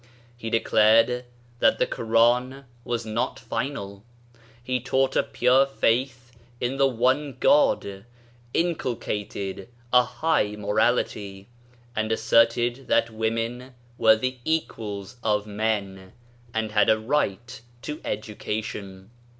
He declared that the Koran was not final. He taught a pure faith in the One God, inculcated a high morality, and assert ed that women were the equals of men, and had a right to education.